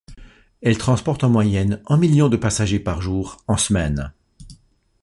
Elle transporte en moyenne un million de passagers par jour en semaine.